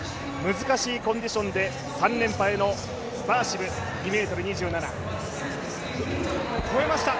難しいコンディションで３連覇へのバーシム２ｍ２７、越えました。